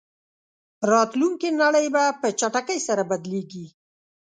راتلونکې نړۍ به په چټکۍ سره بدلېږي.